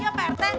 iya pak rt